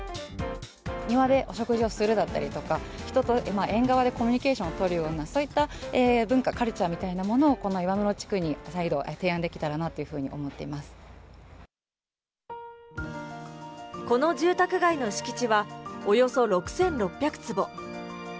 庭でお食事をするだったりとか、人と縁側でコミュニケーションを取るような、そういった文化、カルチャーみたいなものをこの岩室地区に再度、提案できたらなとこの住宅街の敷地は、およそ６６００坪。